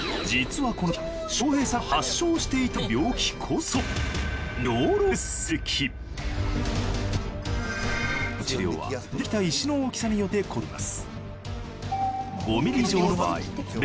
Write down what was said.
実はこのとき笑瓶さんが発症していた病気こそできた石の大きさによって異なります。